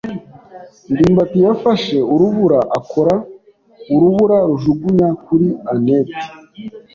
ndimbati yafashe urubura, akora urubura rujugunya kuri anet.